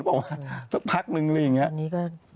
บอกว่าสักพักนึงอะไรอย่างนี้